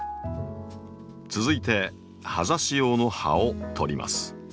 続いて葉ざし用の葉を取ります。